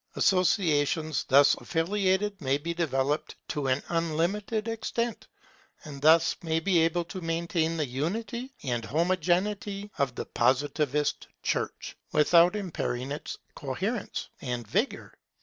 Associations thus affiliated may be developed to an unlimited extent; and thus we shall be able to maintain the unity and homogeneity of the Positive Church, without impairing its coherence and vigour.